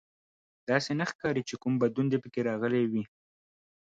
داسې نه ښکاري چې کوم بدلون دې پکې راغلی وي